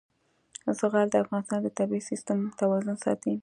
زغال د افغانستان د طبعي سیسټم توازن ساتي.